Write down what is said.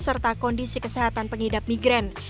serta kondisi kesehatan pengidap migran